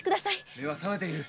余は覚めている。